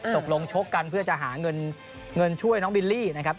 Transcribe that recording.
ตกลงชกกันเพื่อจะหาเงินเงินช่วยน้องบิลลี่นะครับ